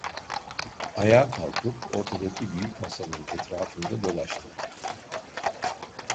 Ayağa kalkıp ortadaki büyük masanın etrafında dolaştım.